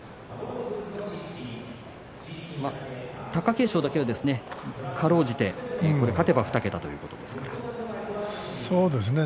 貴景勝だけはかろうじて勝てば２桁になりますね。